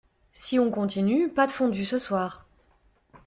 Si on continue, pas de fondue ce soir.